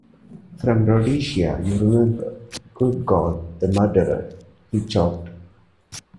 “From Rhodesia, you remember.” “Good God, the murderer!” he choked.